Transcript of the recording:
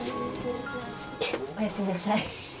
おやすみなさい。